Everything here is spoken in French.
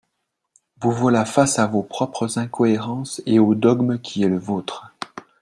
Vous voilà face à vos propres incohérences et au dogme qui est le vôtre.